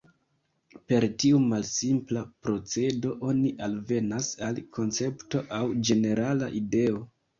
Per tiu malsimpla procedo, oni alvenas al koncepto aŭ ĝenerala ideo.